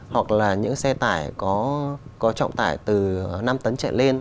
hoặc là những xe tải có trọng tải từ năm tấn trở lên